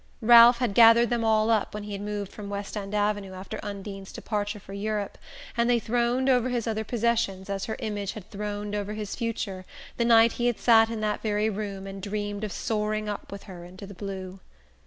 Ralph had gathered them all up when he had moved from West End Avenue after Undine's departure for Europe, and they throned over his other possessions as her image had throned over his future the night he had sat in that very room and dreamed of soaring up with her into the blue...